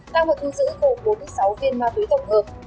đang thu giữ bốn sáu viên ma túy tổng hợp